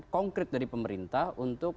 konkret dari pemerintah untuk